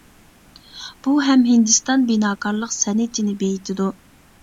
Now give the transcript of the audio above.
بۇ ھەم ھىندىستان بىناكارلىق سەنئىتىنى بېيىتىدۇ.